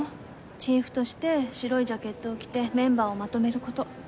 チーフとして白いジャケットを着てメンバーをまとめる事。